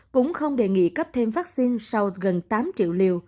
cũng không đề nghị cấp thêm vaccine sau gần tám triệu liều